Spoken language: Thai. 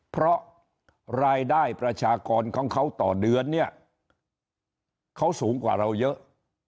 เพราะรายได้ประชากรของเขาต่อเดือนเนี่ยเขาสูงกว่าเราเยอะ